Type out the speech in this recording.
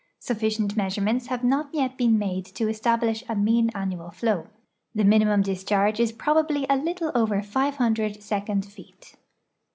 Sufficient measure ments have not yet been made to establish a mean annual flow. Tlie minimum discharge is )>rohably a little over 500 second feet.